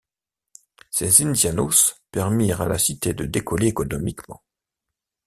Ces indianos permirent à la cité de décoller économiquement.